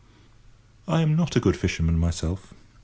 I am not a good fisherman myself.